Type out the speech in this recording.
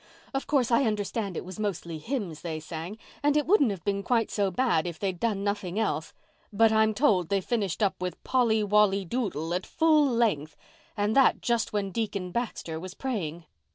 Of course, I understand it was mostly hymns they sang, and it wouldn't have been quite so bad if they'd done nothing else. But I'm told they finished up with Polly Wolly Doodle at full length—and that just when Deacon Baxter was praying."